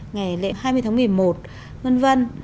ngày lễ hai mươi tháng một mươi một